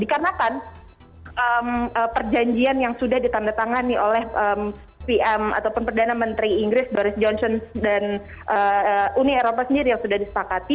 dikarenakan perjanjian yang sudah ditandatangani oleh pm ataupun perdana menteri inggris boris johnson dan uni eropa sendiri yang sudah disepakati